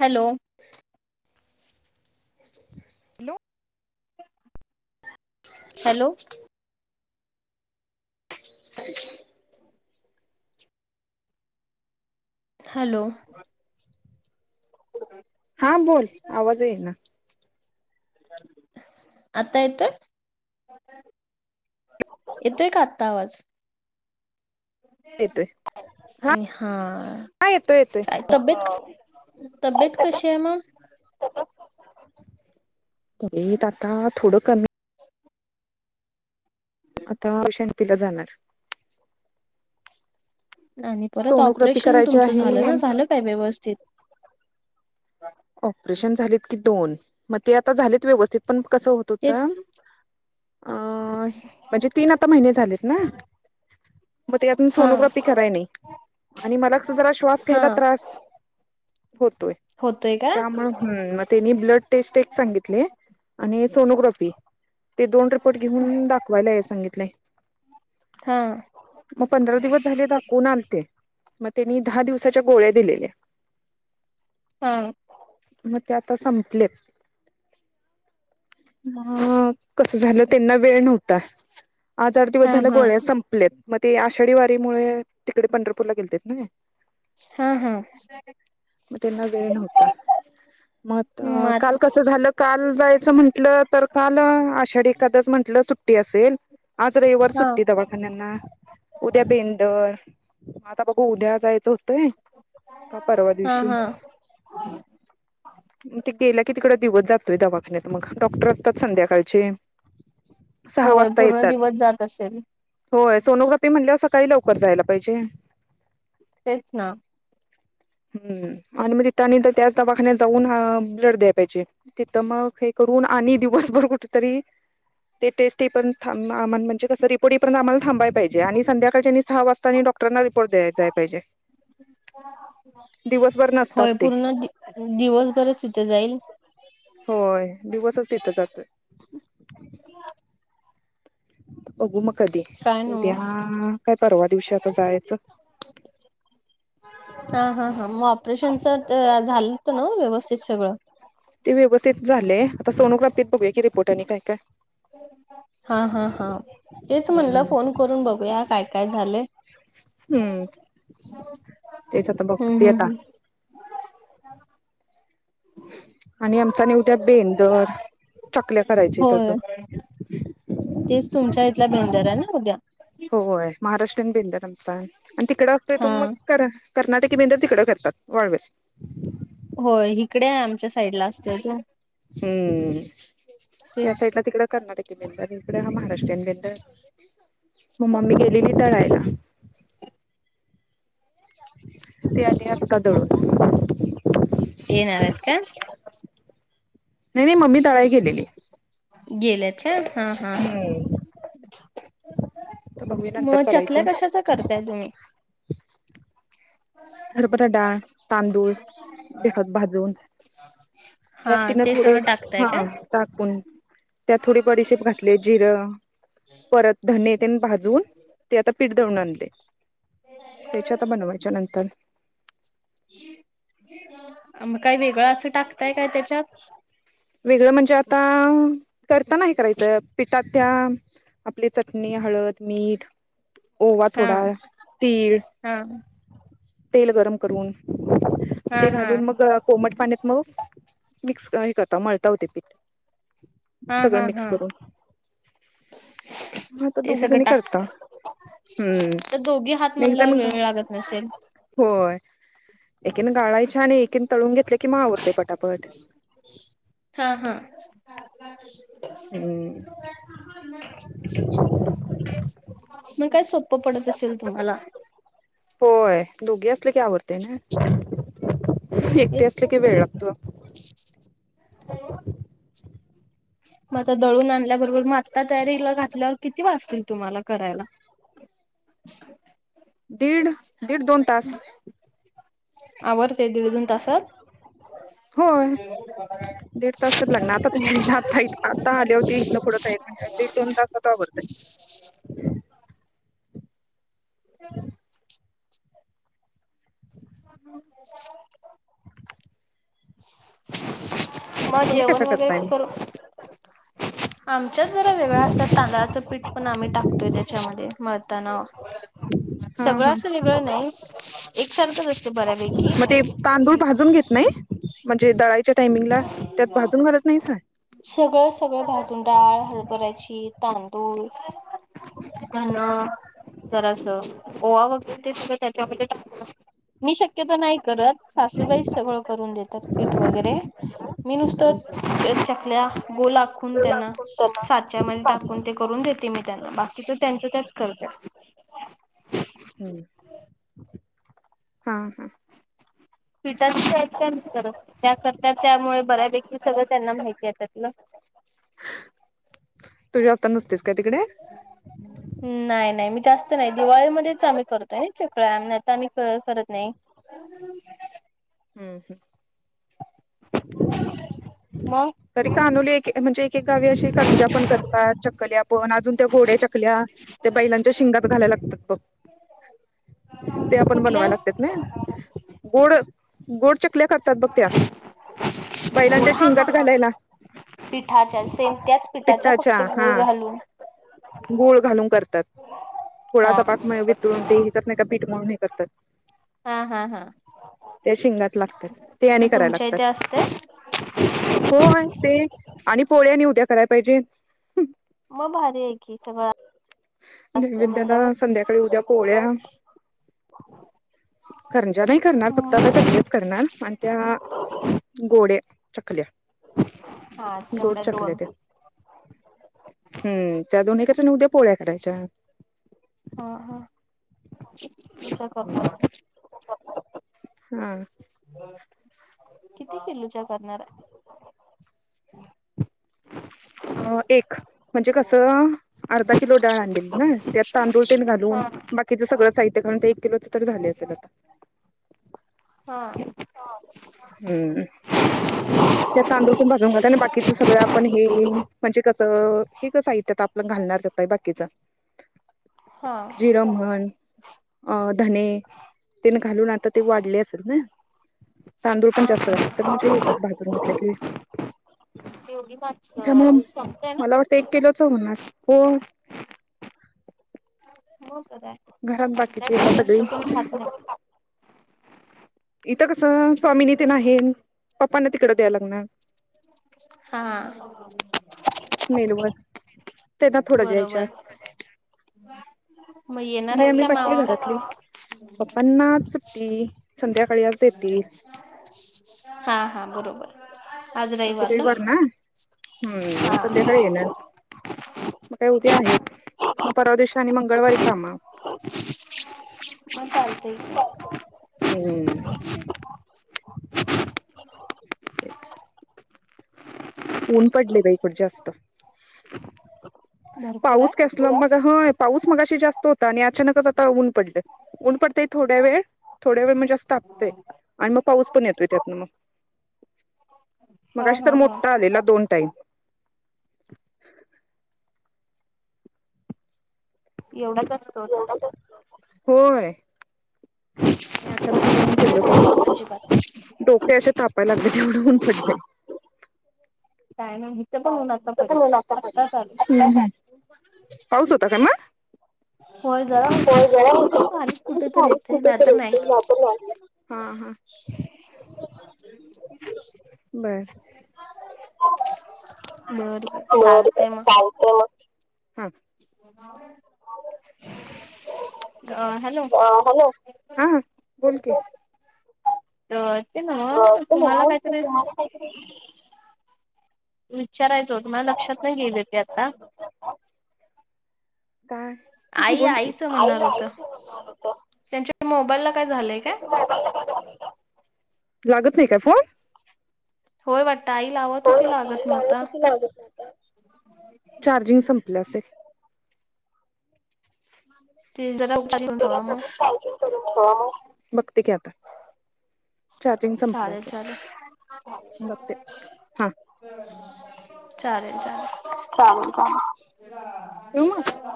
Hello! लो hello! [inaudible] Hello! [inaudible] हा बोल आवाज येईना? आता येतोय. येतोय का आत्ता आवाज‌. येतोय हा हा येतोय येतोय का तब्येत तब्येत कशी आहे मग? तब्येत आता थोडं कमी आता ओम शांतीला जाणार. आणि परत सोनोग्राफी ऑपरेशन करायची तुमच आहे झालं ना झालं काय व्यवस्थित? ऑपरेशन झालेत की दोन ते आता झालेत व्यवस्थित पण कस तेच अ म्हणजे तीन आता महिने झालेत ना. मग ते यातून हा सोनोग्राफी कराय नाही. आणि मला जरा श्वास हा घ्यायला त्रास होतोय. होतोय का त्यामुळ हम मग त्यांनी ब्लड टेस्ट एक सांगितले आणि सोनोग्राफी ते दोन रिपोर्ट घेऊन दाखवायला याय सांगितलय. हा. मग पंधरा दिवस झाले दाखवून आलते मग त्यांनी दहा दिवसाच्या गोळ्या दिलेल्या. हा. मग ते आता संपलेत. अ कस झालं त्यांना वेळ नव्हता, आज आठ दिवस हा झाल हा गोळ्या संप लेत मग ते आषाढी वारीमुळे तिकडे पंढरपूरला गेलते नाय. हा हा. म काल कस असं झालं काल जायचं म्हंटलं तर काल आषाढी एखादस म्हटलं सुट्टी असेल. आज रविवार हा सुट्टी दवाखान्यांना. उद्या बेंदर मग आता बघू उद्या जायचं होतंय. का परवा हा दिवशी. हा ते गेल की तिकडं दिवस जातोय दवाखान्यात मग डॉक्टर असत्यात संध्याकाळचे. सहा होय वाजता पूर्ण येतात दिवस जात असेल. होय सोनोग्राफी म्हणल्यावर सकाळी लवकर जायला पाहिजे. तेच ना हम्म आणि मग तिथं आणि त्याच दवाखान्यात जाऊन ब्लड द्याय पाहिजे. तिथं मग हे करून आणि दिवसभर कुठेतरी ते टेस्ट येई पर्यंत थांबा म्हणजे कसं रिपोर्ट येई पर्यंत आम्हाला थांबायला पाहिेजे आणि संध्याकाळी आणि सहा वाजता आणि डॉ डॉक्टरांना रिपोर्ट द्याय जाय पाहिजे, दिवसभर होय नसतात. ते पूर्ण दि दिवसभरच तिथे जाईल‌. होय दिवसच तिथं जातो. बघू मग कधी काय नव्ह उद्या काय परवा दिवशी आता जायचं. [inaudible] हा हा हा मग ऑपरेशनच झालं त नव्ह व्यवस्थित सगळं. ते व्यवस्थित झाले आता सोनोग्रापीत बघूया की रिपोर्ट आणि काय काय हा हा हा तेच म्हटलं फोन करून बघूया काय काय झालंय. हम्म तेच आता हम्म बघते हम्म आता हम्म. आणि आमचा आणि उद्या बेंदुर चकल्या करायच्या आहेत होय अजून तेच तुमच्या इथला बेंदर आहे ना उद्या. होय महाराष्ट्र आणि बेदुंर आमचा आणि तिकड असतोय तो मग हा. कर.. कर्नाटकी बेंद तिकड करतात, वाळवे होय, इकडे आम्हच्या साईड असतोय ना. हम्म.. त्या साईड ला तिकड कर्नाटक मम्मी मी गेलेली दळायला. ती आली आता दळून येणार आहेत का? नाही, नाही मम्मी दळायला गेलेली. गेलेत का? हा.. हा. हम्म तर मम्मी नंतर मग करायच्या चकल्या कशाचा करताय तुम्ही? हरभरा डाळ, तांदूळ भिजत भाजून त्या हा तिन ते थोडं सगळं स.. टाकताय का? हा टाकून, त्यात थोडी बडीशेप घातले जिरं परत धने भा जून ते आता पीठ दळून आणते त्याच्या आता बनवायच्या नंतर मग काय वेगळं असं टाकतय काय त्याच्यात? वेगळं म्हणजे आता करताना हे करायचं पिठात त्या आपली चटणी, हळद, मीठ, ओवा, हा थोडा तीळ हा. तेल गरम करून हा ते हा. घालून मग कोमट पाण्यात मग मिक्स हे करता मळता ते पीठ, हा सगळं हा मिक्स हा करून. [unintelligible] आता ते दोघी सगळं जणी करता टाकत तर हम्म दोघी हात एक म्हणल्यावर जण वेळ लागत नसेल. होय.. एकीन गाळायच्या आणि एकीन तळून घेतले की आवरतेय पटापट. हा.. हा हम्म मग काय सोप पडत असेल तुम्हाला? होय, दोघे असले की आवरतय एकटे असले की वेळ लागतो. हो- [inaudible] मग आता दळून आणल्याबरोबर मग आत्ता तयारीला घातल्यावर किती वाजतील तुम्हाला करायला? [inaudible] दीड-दीड- दोन तास आवरतय दीड- दोन तासात होय दीड तास तर लागणार आता आ आता आले होती इथन पुढ ताई म्हणल्यावर एक म्हण दीड दोन तासात आवरतय चला [unintelligible] [inaudible] मग तुम्ही जेवण कशा करताय वगैरे करून आमच्यात जरा वेगळ असत्यात तांदळाचं पीठ पण आम्ही टाकतोय त्याच्यामध्ये मळताना हा सगळं हा अस वेगळ नाही एक सारख मग ते तांदूळ भाजून घेत नाही म्हणजे दळायच्या दळायच्या च्या टायमिंगला त्यात भाजून घालत नाहीसा सगळ-सगळभाजून डाळ हरभऱ्याची तांदूळ धनं जरास ओवा वगैरे ते त्याच्यामध्ये [inaudible] मी शक्यतो नाही करत. सासूबाईच सगळ करून देतात पीठ वगैरे मी नुसतं चकली चकल्या गोल आखून त्यांना लाखून त्याला साचा त्याच्यामध्ये टाकून करून देते मी त्यांना बाकीच त्यांच त्याच करतात. हा-हा पिटाच साहित्य [inaudible] त्या करता त्यामुळे बऱ्यापैकी सगळं त्यांना माहिती आहे त्यातल तु जास्त नसतेस काय तिकडे [inaudible] नाही-नाही मी जास्त नाही दिवाळीमध्येच आम्ही करतोय ना चकल्या नाही तर आम्ही करत नाही. [unintelligible] हम्म-हम्म मग तरी कानोली एक-एक म्हणजे एक-एक गावी अशी करंजा पण करतात चकल्या पण अजून त्या गोड्या चकल्या त्या बैलांच्या शिंगात घालायला लागतात बग ह. त्या पण बनवायला लागत्यात नही गोड -गोड चकल्या करतात बघ त्या बैलांच्या हा हा शिंगात हा घालायला पिठाच्या सेम त्याच पिठाच्या पिठ्ठाच्या फक्त गुळ हा घालून गुळ घालून करतात हा थोडासा पाक बरोबर वितळून ते हे नाही का पीठ मळून हे करतात. हा - हा- हा. त्या शिंगात लागत्यात ते मग आणि करायला तुमच्या लागतात. इथे असते होय ते आणि पोळ्या आणि उद्या करायला पाहिजे. मग भारी हाय की सगळ नैवेद्याला संध्याकाळी उद्या पोळ्या [inaudible] कारंजा नाही करणार फक्त आता चकल्याच करणार आणि त्या गोड्या चकल्या हा गोड तेवढ्या चकल्या दोन त्या हम्म त्या दोन्हीकरायच्या उद्या पोळ्या करायच्या हा हा, काय करता. [unintelligible] किती किलोच्या करणार आहे. [inaudible] अ एक म्हणजे कसं अर्धा किलो डाळ आणली. त्यात तांदूळ तेण हा घालून, बाकीचं सगळं साहित्य घालून ते एक किलोच तर झाल असल आता. हा. हं. त्यात तांदूळ पण भाजून घालता, आणि बाकीच सगळं आपण हे म्हणजे कसं हे कस साहित्य तर आपलं घालणार च आहे बाकीच. हां. जिरं म्हण अ धने तेन घालून आता ते वाढले असेल ना. तांदूळ पण हा जास्त घातले तर म्हणजे हे भाजून घातले कि योगी माणस, संपतय ना. ते एक किलोच होणार, हो. हो तर काय, घरात बाकीची येतात संध्याकाळी जास्त सगळी कोण खात नाही. इथं कसं स्वामीनी तेन आहे. पप्पांना तिकडं द्यायला लागणार. हां. मेनुमध्ये त्यांना थोडं द्यायच्या. बरोबर मग येणार आणि आहेत आम्ही का बाकी मावा घरातली, पप्पाना आज सुट्टी संध्याकाळी आज. येतील हा हा बरोबर आज रविवार ना. हम्म मग हा संध्याकाळी येनार. मग काय उद्या आहेत, परवादिवशी मंगळवारी आणि कामावर. हो चालतय. हो चालतय, हं. तेच ऊन पडलय बाई इकड जास्त, भरपूर आहे पाऊस कसा होय पाऊस मगाशी जास्त होता, आणि अचानकच आता ऊन पडलंय. ते थोड्या वेळ, थोड्या वेळ म्हणजे असं तापतय, आणि मग पाऊस. पण येतोय त्यातन मग, हा मघाशी तर हा हा मोठा आलेला दोन टाईम. एवढाच असतोय. होय. नाही अचानक आता ऊन काय केवढ नाही पडलय. अजिबात डोके अशे तापायला लागलेत एवढ ऊन पडलय. काय आणि पाऊस होता का मग. होय जरा होता, होय जरा होता उगच बारीक कुठे तर पाऊस येतय कुठे नाही तर नाही. येतोय जातो नाही हा हा [unintelligible] बर. बर बर चालते मग. चालते मग. [unintelligible] हॅलो. अ हॅलो हा बोल की. [unintelligible] तुम्हाला काहीतरी [unintelligible] विचारायच होत, माझ्या लक्षातन गेल ते आता. का? आई बोलकी आईचं आई म्हणणार होतं त्यांच्या मोबाईलला काय झालंय काय [unintelligible] लागत नाही का फोन! होय वाटतं आई लावत हो होती आता लागत आई लावत नव्हता. होती लागत नाही. चार्जिंग संपलं असेल. ते जरा [unintelligible] जरा ठेवा मग. आपण चार्जिंग बघते की आता. चार्जिंग संपले चालेल असेल चालेल बगते. चालेल चालेल! चालेल चालेल ठेऊ मं.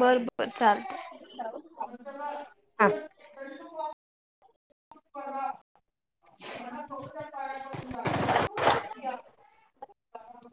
बर बरं चालत. [inaudible] [inaudible] हा [unintelligible] [unintelligible]